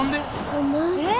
５枚？えっ！？